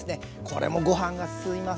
これもご飯が進みますよ。